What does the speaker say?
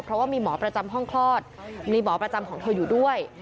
เพราะว่ามีหมอประจำห้องคลอดมีหมอประจำของเธออยู่ด้วย